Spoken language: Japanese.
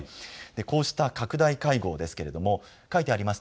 こうした拡大会合ですが書いてあります